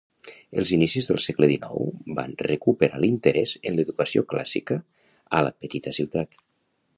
Els inicis del segle dinou van recuperar l'interès en l'educació clàssica a la petita ciutat.